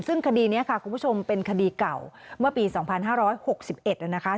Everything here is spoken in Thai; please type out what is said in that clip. ซึ่งคดีนี้ค่ะคุณผู้ชมเป็นคดีเก่าเมื่อปี๒๕๖๑นะคะ